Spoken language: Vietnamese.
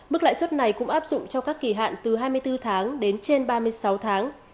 mức lãi suất này cũng áp dụng cho các kỳ hạn từ hai mươi bốn tháng đến trên ba mươi sáu tháng